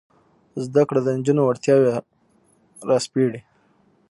زده کړه د نجونو وړتیاوې راسپړي.